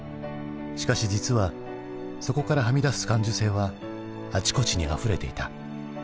しかし実はそこからはみ出す感受性はあちこちにあふれていた。